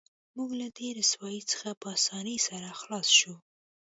موږ له دې رسوایۍ څخه په اسانۍ سره خلاص شو